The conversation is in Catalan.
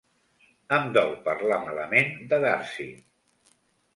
Em dol parlar malament de Darcy.